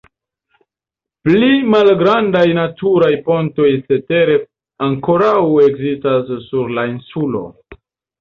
Pli malgrandaj naturaj pontoj cetere ankoraŭ ekzistas sur la insulo.